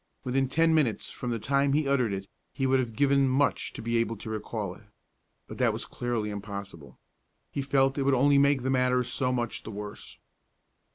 Within ten minutes from the time he uttered it he would have given much to be able to recall it; but that was clearly impossible. He felt that it would only make the matter so much the worse.